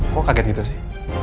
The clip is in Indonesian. kok kaget gitu sih